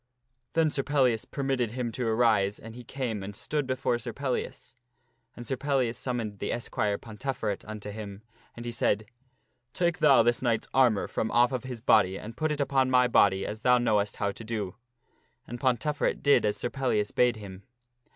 Then Sir Pellias permitted him to arise and he came and stood before Sir Pellias. And Sir Pellias summoned the esquire, Ponteferet, unto him, and he said, " Take thou this knight's armor from off of his i ,1 j Sir Pellias body and put it upon my body as thou knowest how to do. assumes the And Ponteferet did as Sir Pellias bade him.